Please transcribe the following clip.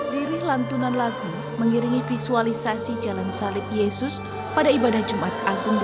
diri lantunan lagu mengiringi visualisasi jalan salib yesus pada ibadah jumat agung